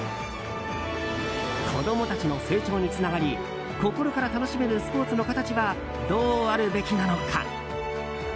子供たちの成長につながり心から楽しめるスポーツの形はどうあるべきなのか。